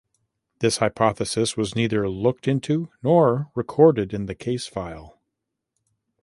This hypothesis was neither looked into nor recorded in the case file.